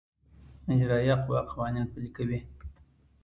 اجرائیه قوه قوانین پلي کوي